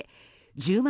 １０万